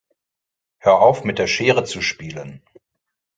Hör auf, mit der Schere zu spielen!